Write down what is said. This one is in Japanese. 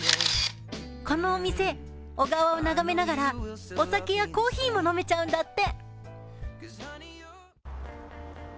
このお店、小川を眺めながらお酒やコーヒーも飲めちゃうんだって。